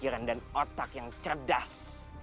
pikiran dan otak yang cerdas